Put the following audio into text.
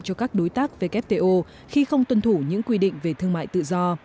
cho các đối tác wto khi không tuân thủ những quy định về thương mại tự do